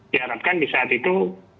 di harapkan di saat itu